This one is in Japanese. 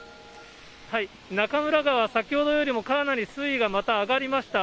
中村川、先ほどよりもかなり水位がまた上がりました。